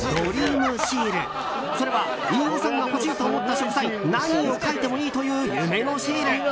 飯尾さんが欲しいと思った食材何を書いてもいいという夢のシール。